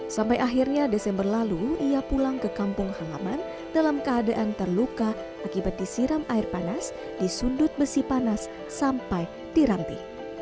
sampai akhirnya desember lalu ia pulang ke kampung halaman dalam keadaan terluka akibat disiram air panas di sundut besi panas sampai diranti